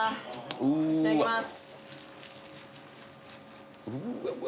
いただきます